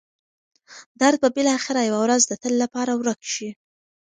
درد به بالاخره یوه ورځ د تل لپاره ورک شي.